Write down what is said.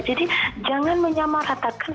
jadi jangan menyamaratakan supervisi